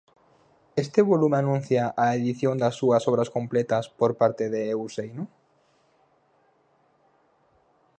Este volume anuncia a edición das súas obras completas por parte de Eu seino?